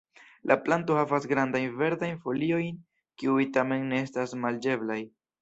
La planto havas grandajn, verdajn foliojn, kiuj tamen ne estas manĝeblaj.